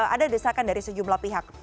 ada desakan dari sejumlah pihak